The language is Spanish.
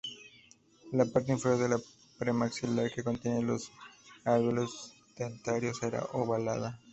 La parte inferior del premaxilar que contiene los alveolos dentarios era ovalada.